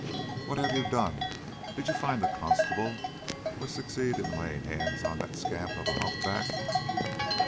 "What have you done? Did you find the constable or succeed in laying hands on that scamp of a humpback?"